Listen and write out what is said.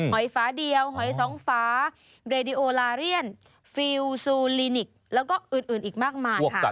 อยฟ้าเดียวหอยสองฝาเรดิโอลาเรียนฟิลซูลินิกแล้วก็อื่นอีกมากมายค่ะ